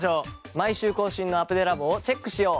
毎週更新のアプデラボをチェックしよう。